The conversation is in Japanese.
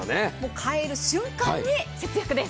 変える瞬間に節約です。